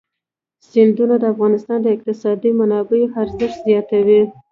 سیندونه د افغانستان د اقتصادي منابعو ارزښت زیاتوي.